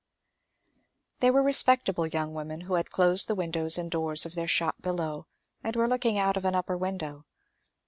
They were respectable young women who had closed the windows and doors of their shop below, and were looking out of an upper window.